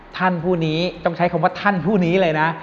ท่านผู้นี้ต้องใช้คำว่าท่านผู้นี้เลยนะ